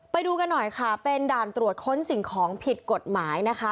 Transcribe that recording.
ไปดูกันหน่อยค่ะเป็นด่านตรวจค้นสิ่งของผิดกฎหมายนะคะ